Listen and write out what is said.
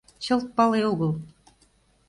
Чылт пале огыл.